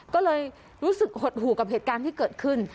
ก็เลยรู้สึกหดหู่กับเหตุการณ์ที่เกิดขึ้น